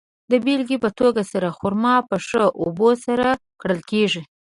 د بېلګې په توګه، خرما په ښه اوبو سره کرل کیږي.